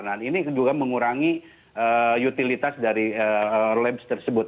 nah ini juga mengurangi utilitas dari labs tersebut